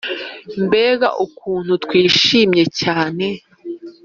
Mbega ukuntu twishimye cyane